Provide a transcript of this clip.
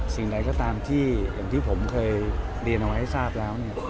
สิ่งใดก็ตามที่อย่างที่ผมเคยเรียนเอาไว้ให้ทราบแล้ว